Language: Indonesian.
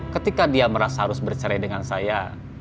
ketika dia merasa harus bercerai dengan saya